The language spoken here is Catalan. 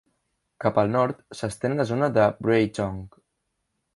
Cap al nord s'estén la zona de Braetongue.